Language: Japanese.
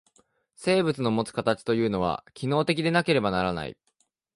生物のもつ形というのは、機能的でなければならない。